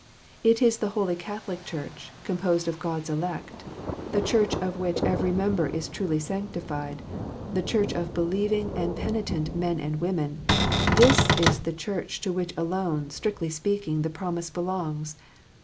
It is the Holy Catholic Church, composed of God s elect, the Church of which every member is truly sanctified, the Church of believing and penitent men and women, this is the Church to which alone, strictly speaking, the promise belongs.